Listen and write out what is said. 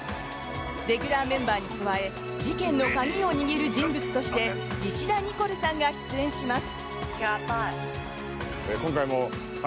レギュラーメンバーに加え事件の鍵を握る人物として石田ニコルさんが出演します！